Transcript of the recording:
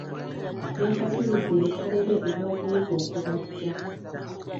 Yeesasulidde ebisale bye eby'okuyiga okubajja.